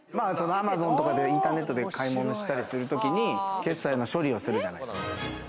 Ａｍａｚｏｎとかでインターネットで買い物したりするときに、決済の処理をするじゃないですか。